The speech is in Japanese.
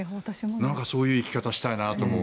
そういう生き方したいなと思う。